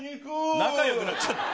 仲よくなっちゃった。